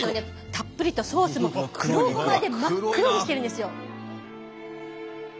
たっぷりとソースも黒ごまで真っ黒にしてるんですよ。